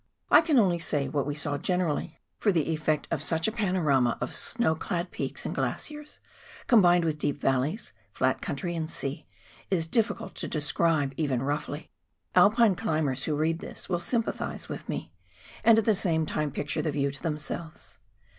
I can only say what we saw generally, for the effect of such 294 PIONEER WORK IN THE ALPS OF NEW ZEALAND. a panorama o£ snow clad peaks and glaciers, combined with deep valleys, flat country and sea, is difficult to describe even roughly. Alpine climbers who read this will sympathise with me, and at the same time picture the view to themselves.